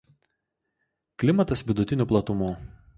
Klimatas vidutinių platumų.